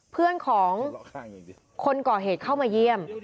เพื่อนของคนก่อเหตุเข้ามาเยี่ยม